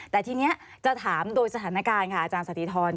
แต่ทีนี้จะถามโดยสถานการณ์ค่ะอาจารย์สันติธร